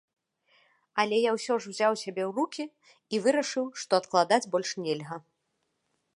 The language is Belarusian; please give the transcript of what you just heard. Але я ўсё ж узяў сябе ў рукі і вырашыў, што адкладаць больш нельга.